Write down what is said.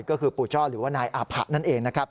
ก็คือปู่จ้อหรือว่านายอาผะนั่นเองนะครับ